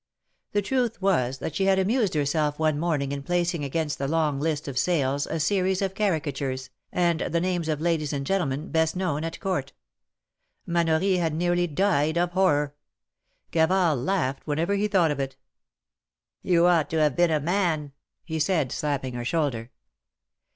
The truth was that she had amused herself one morning in placing against the long list of sales a series of caricatures, and the names of ladies and gentlemen best known at court. Manory had nearly died of horror. Gavard laughed whenever he thought of it. You ought to have been a man," he said, slapping her shoulder.